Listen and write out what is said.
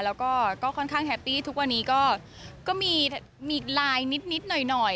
แล้วก็ค่อนข้างแฮปปี้ทุกวันนี้ก็มีไลน์นิดหน่อย